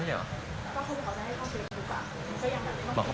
สวัสดีครับ